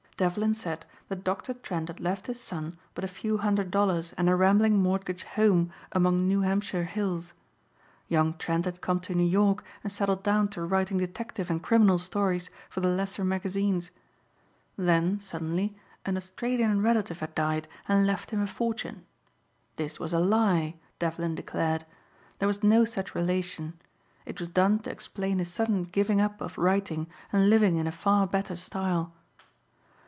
Devlin said that Dr. Trent had left his son but a few hundred dollars and a rambling mortgaged home among New Hampshire hills. Young Trent had come to New York and settled down to writing detective and criminal stories for the lesser magazines. Then, suddenly, an Australian relative had died and left him a fortune. This was a lie, Devlin declared. There was no such relation. It was done to explain his sudden giving up of writing and living in a far better style.